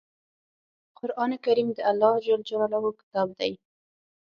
قرآن کریم د الله ﷺ کتاب دی.